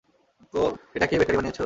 তো এটাকে বেকারি বানিয়েছ?